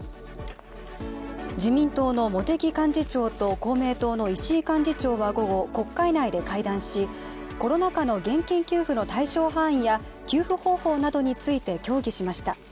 自民党の茂木幹事長と公明党の石井幹事長は午後、国会内で会談し、コロナ禍の現金給付の対象範囲や給付方法などについて協議しました。